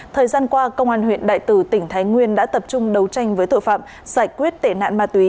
thời gian qua công an huyện đại tử tỉnh thái nguyên đã tập trung đấu tranh với tội phạm giải quyết tệ nạn ma túy